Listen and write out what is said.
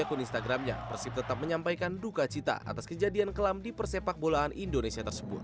akun instagramnya tetap menyampaikan duka cita atas kejadian kelam di persepakbolaan indonesia tersebut